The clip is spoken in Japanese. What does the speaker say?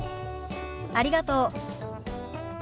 ありがとう。